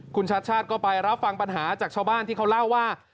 คุณชาติชาติก็ไปรับฟังปัญหาจากชาวบ้านที่เขาเล่าว่า